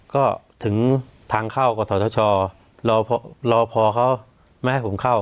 ก็ถึงทางเข้ากับสอทชรอพอรอพอเขาไม่ให้ผมเข้า